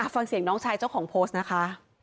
ฟังเสียงน้องชายเจ้าของโพสต์นะคะ